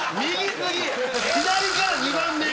左から２番目。